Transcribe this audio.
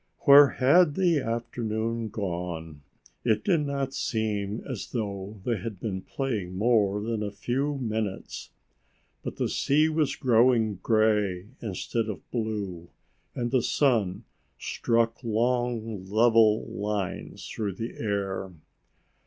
Where had that afternoon gone? It did not seem as though they had been playing more than a few minutes. But the sea was growing gray instead of blue, and the sun struck long level lines through the air.